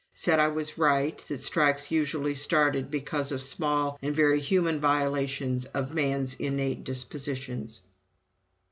Said I was right that strikes usually started because of small and very human violations of man's innate dispositions."